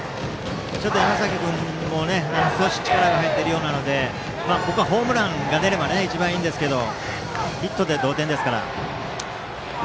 山崎君も少し力が入っているようなのでここはホームランが出れば一番いいですがヒットで同点ですから。